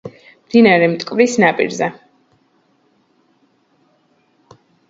მდინარე მტკვრის ნაპირზე.